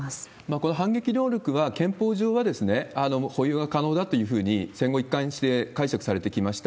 この反撃能力は憲法上は保有が可能だというふうに、戦後一貫して解釈されてきました。